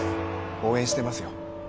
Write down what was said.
応援してますよ。